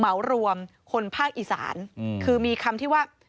เหมารวมคนภาคอีสานคือมีคำที่ว่า